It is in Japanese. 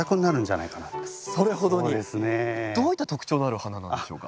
どういった特徴のある花なんでしょうか？